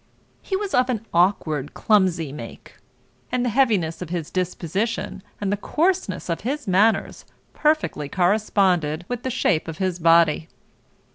He was of an awkward clumsy make; and the heaviness of his disposition, and the coarseness of his manners perfectly corresponded with the shape of his body.